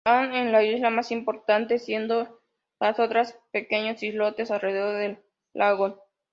Han es la isla más importante, siendo las otras pequeños islotes alrededor del lagoon.